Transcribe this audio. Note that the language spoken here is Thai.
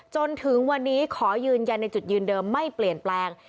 จนถึงวันนี้ขอยืนยันในจุดยืนเดิมไม่เปลี่ยนแปลง